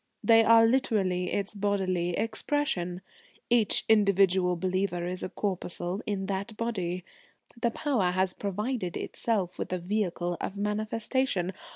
They are literally its bodily expression. Each individual believer is a corpuscle in that Body. The Power has provided itself with a vehicle of manifestation.